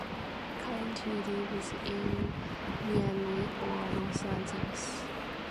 Currently lives in Miami or Los Angeles.